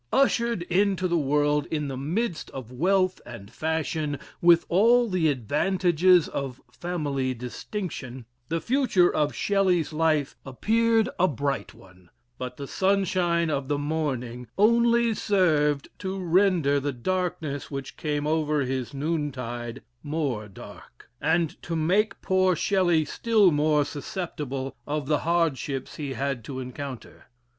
Ushered into the world in the midst of wealth and fashion, with all the advantages of family distinction, the future of Shelley's life appeared a bright one; but the sunshine of the morning only served to render the darkness which came over his noontide more dark, and to make poor Shelley still more susceptible of the hardships he had to encounter.